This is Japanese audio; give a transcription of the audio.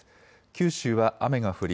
九州は雨が降り